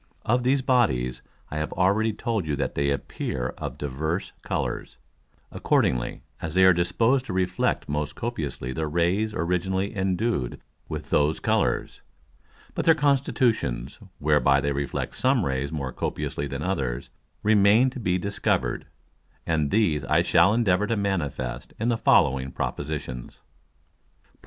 Of these Bodies I have already told you that they appear of divers Colours, accordingly as they are disposed to reflect most copiously the Rays originally endued with those Colours. But their Constitutions, whereby they reflect some Rays more copiously than others, remain to be discover'd; and these I shall endeavour to manifest in the following Propositions. PROP.